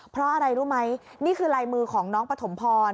เพราะอะไรรู้ไหมนี่คือลายมือของน้องปฐมพร